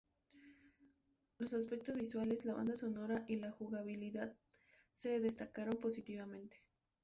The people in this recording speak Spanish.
Los aspectos visuales, la banda sonora y la jugabilidad se destacaron positivamente.